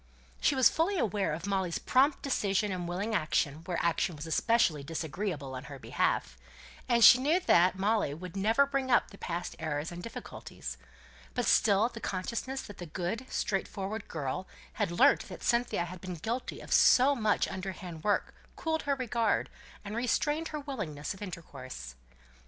She was fully aware of Molly's prompt decision and willing action, where action was especially disagreeable, on her behalf; she knew that Molly would never bring up the past errors and difficulties; but still the consciousness that the good, straightforward girl had learnt that Cynthia had been guilty of so much underhand work cooled her regard, and restrained her willingness of intercourse.